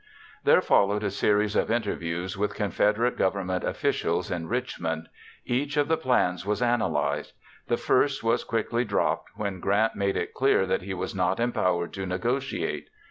There followed a series of interviews with Confederate government officials in Richmond. Each of the plans was analyzed. The first was quickly dropped when Grant made it clear that he was not empowered to negotiate.